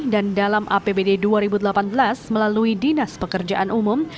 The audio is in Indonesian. dan dalam apbd dua ribu delapan belas melalui dinas pekerjaan umum